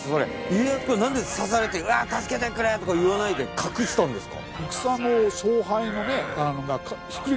家康公は何で刺されてうわ助けてくれとか言わないで隠したんですか？